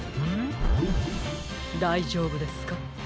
だいじょうぶですか？